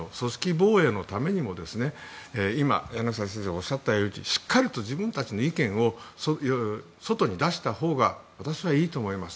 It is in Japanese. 防衛のためにも柳澤さんがおっしゃったようにしっかりと自分たちの意見を外に出したほうが私はいいと思います。